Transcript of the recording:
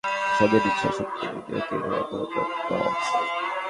স্বাধীন ইচ্ছাশক্তি এবং নিয়তির মধ্যকার দ্বন্ধ!